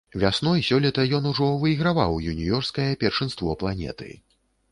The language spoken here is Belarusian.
Вясной сёлета ён ужо выйграваў юніёрскае першынство планеты.